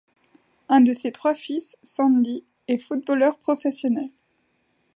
Un de ses trois fils, Sandy, est footballeur professionnel.